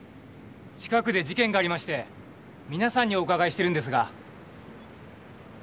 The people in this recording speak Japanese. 近くで事件がありまして皆さんにお伺いしてるんですが。